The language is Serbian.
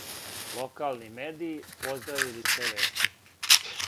Локални медији поздравили су те вести.